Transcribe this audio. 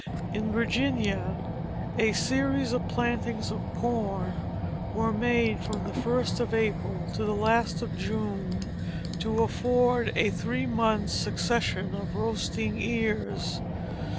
In Virginia a series of plantings of corn were made from the first of April to the last of June, to afford a three months' succession of roasting ears.